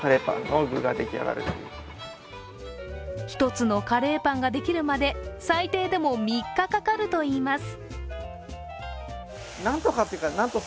１つのカレーパンができるまで最低でも３日かかるといいます。